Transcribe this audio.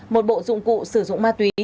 một bộ dụng cụ sử dụng ma túy